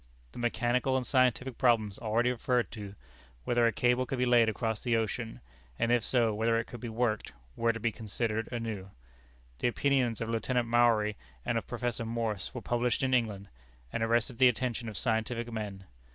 The mechanical and scientific problems already referred to, whether a cable could be laid across the ocean; and if so, whether it could be worked, were to be considered anew. The opinions of Lieutenant Maury and of Professor Morse were published in England, and arrested the attention of scientific men.